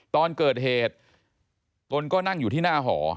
ตอนเกิดเหตุตนก็นั่งอยู่ที่หน้าหอ